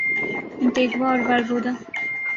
Antigua اور باربودا